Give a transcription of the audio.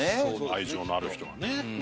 愛情のある人がね。